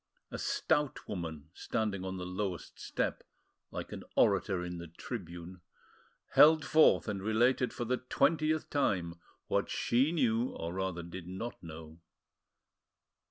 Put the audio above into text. A stout woman, standing on the lowest step, like an orator in the tribune, held forth and related for the twentieth time what she knew, or rather, did not know.